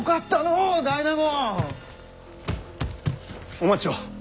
お待ちを。